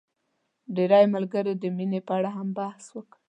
ډېری ملګرو د مينې په اړه هم بحث وکړ.